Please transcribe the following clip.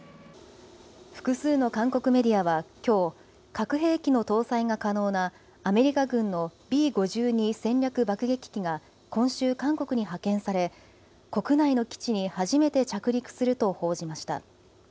複数の韓国メディアはきょう核兵器の搭載が可能なアメリカ軍のＢ５２戦略爆撃機が今週韓国に派遣され国内の基地に初めて着陸すると報じました。